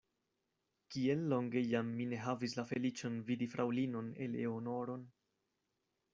Kiel longe jam mi ne havis la feliĉon vidi fraŭlinon Eleonoron!